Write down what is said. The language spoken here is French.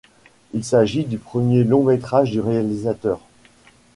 Il s'agit du premier long métrage du réalisateur.